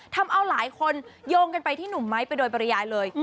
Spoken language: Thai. ทำเอาหลายคนโยงกันไปที่หนุ่มไม้ไปโดยปริยายเลย